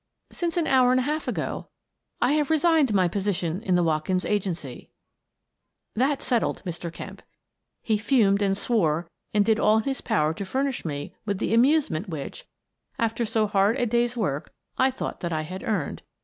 " Since an hour and a half ago. I have resigned my position in the Watkins Agency." That settled Mr. Kemp. He fumed and swore and did all in his power to furnish me with the amusement which, after so hard a day's work, I thought that I had earned.